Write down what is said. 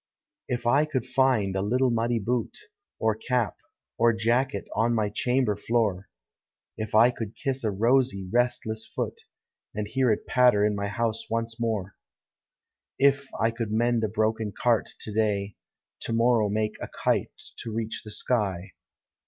If I could find a little muddy boot, Or cap, or jacket, on my chamber tioor,— If I could kiss a rosy, restless foot, And hear it patter in my house once more, — Jf I could mend a broken cart to day. To morrow make a kite to reach the sky.